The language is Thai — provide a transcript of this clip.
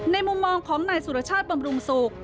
มุมมองของนายสุรชาติบำรุงสุข